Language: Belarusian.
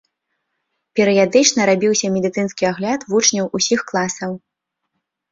Перыядычна рабіўся медыцынскі агляд вучняў усіх класаў.